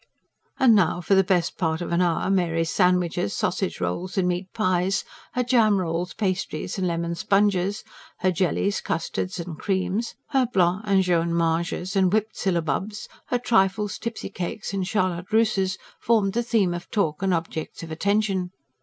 And now for the best part of an hour Mary's sandwiches, sausage rolls and meat pies; her jam rolls, pastries and lemon sponges; her jellies, custards and creams; her blanc and jaunemanges and whipped syllabubs; her trifles, tipsy cakes and charlotte russes formed the theme of talk and objects of attention.